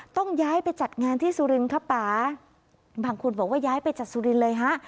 ต้องย้ายไปจัดงานที่สุรินครับป่าบางคนบอกว่าย้ายไปจากสุรินเลยฮะ